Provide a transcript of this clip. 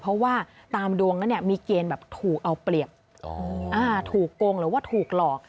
เพราะว่าตามดวงนั้นเนี่ยมีเกณฑ์แบบถูกเอาเปรียบถูกโกงหรือว่าถูกหลอก